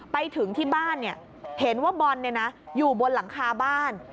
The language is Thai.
ไปถึงที่บ้านเห็นว่าบอลอยู่บนหลังคาบ้าน